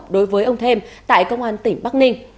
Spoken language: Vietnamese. đối với ông thêm tại công an tỉnh bắc ninh